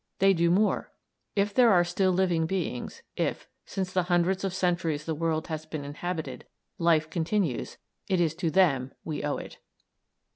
They do more; if there are still living beings, if, since the hundreds of centuries the world has been inhabited, life continues, it is to them we owe it."